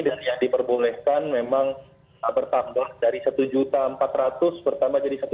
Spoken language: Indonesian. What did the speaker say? dan yang diperbolehkan memang bertambah dari satu empat ratus bertambah jadi satu sembilan ratus